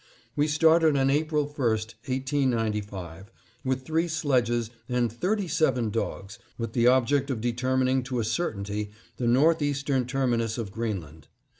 We started on April 1, 1895, with three sledges and thirty seven dogs, with the object of determining to a certainty the northeastern terminus of Greenland.